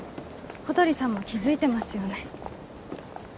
小鳥さんも気づいてますよね